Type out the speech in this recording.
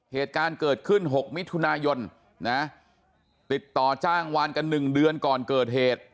เหตุการณ์เกิดขึ้น๖มิถุนายนนะติดต่อจ้างวานกัน๑เดือนก่อนเกิดเหตุ